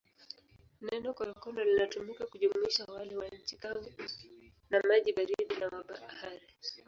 Neno konokono linatumika kujumuisha wale wa nchi kavu, wa maji baridi na wa bahari.